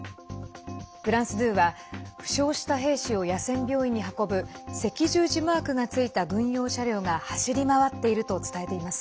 フランス２は負傷した兵士を野戦病院に運ぶ赤十字マークがついた軍用車両が走り回っていると伝えています。